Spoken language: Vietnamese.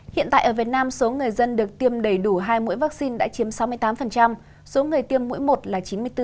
hiện tại ở việt nam số người dân được tiêm đầy đủ hai mũi vaccine đã chiếm sáu mươi tám số người tiêm mũi một là chín mươi bốn